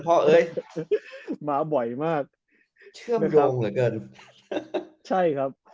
เอ้ยมาบ่อยมากเชื่องเหลือเกินใช่ครับ